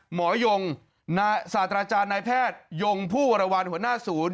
หมอยงศาสตราจารย์นายแพทยงผู้วรวรรณหัวหน้าศูนย์